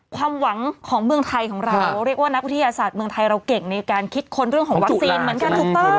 ความหวังของเมืองไทยของเราเรียกว่านักวิทยาศาสตร์เมืองไทยเราเก่งในการคิดค้นเรื่องของวัคซีนเหมือนกันถูกต้อง